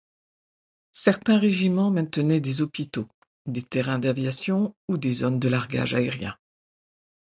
Certains régiments maintenaient des hôpitaux, des terrains d'aviation ou des zones de largage aérien.